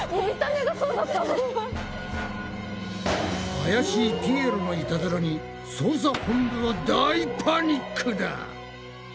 怪しいピエロのイタズラに捜査本部は大パニックだ！